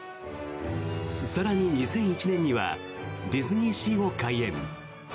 更に２００１年にはディズニーシーを開園。